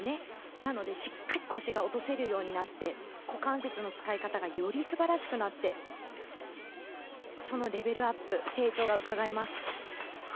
なので、しっかり腰が落とせるようになって股関節の使い方がより素晴らしくなってそのレベルアップ成長がうかがえます。